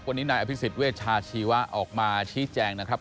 วันนี้นายอภิษฎเวชาชีวะออกมาชี้แจงนะครับ